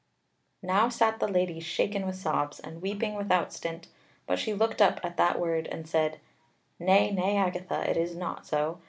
Now sat the Lady shaken with sobs, and weeping without stint; but she looked up at that word and said: "Nay, nay, Agatha, it is not so.